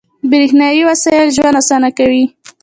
• برېښنايي وسایل ژوند اسانه کوي.